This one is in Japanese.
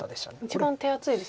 一番手厚いですね。